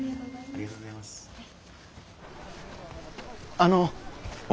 あの。